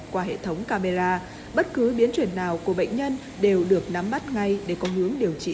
qua hệ thống camera bất cứ biến chuyển nào của bệnh nhân đều được nắm bắt ngay để có hướng điều trị